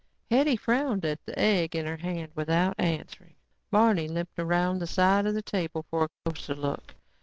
Hetty frowned at the egg in her hand without answering. Barney limped around the side of the table for a closer look.